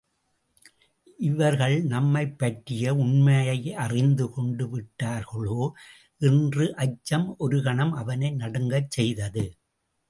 இவர்கள் நம்மைப் பற்றிய உண்மையை அறிந்து கொண்டு விட்டார்களோ என்ற அச்சம் ஒரு கணம் அவனை நடுங்கச் செய்தது.